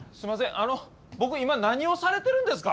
あの僕今何をされてるんですか？